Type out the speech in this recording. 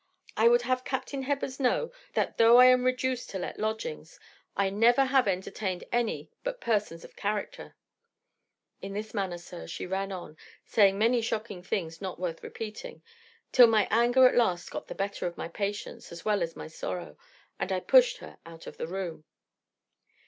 I would have Captain Hebbers know, that though I am reduced to let lodgings, I never have entertained any but persons of character.' In this manner, sir, she ran on, saying many shocking things not worth repeating, till my anger at last got the better of my patience as well as my sorrow, and I pushed her out of the room.